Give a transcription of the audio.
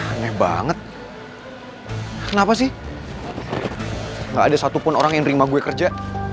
aneh banget kenapa sih gak ada satupun orang yang nerima gue kerja